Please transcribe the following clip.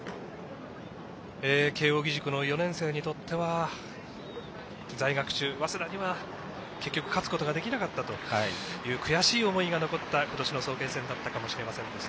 慶応義塾の４年生にとっては在学中、早稲田には結局勝つことができなかったと悔しい思いが残った今年の早慶戦だったかもしれません。